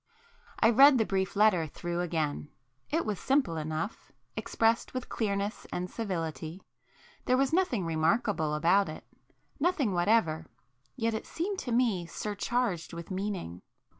I read the brief letter through again,—it was simple enough,—expressed with clearness and civility. There was nothing remarkable about it,—nothing whatever; yet it [p 16] seemed to me surcharged with meaning.